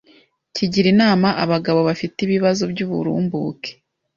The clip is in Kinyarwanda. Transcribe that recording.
kigira inama abagabo bafite ibibazo by'uburumbuke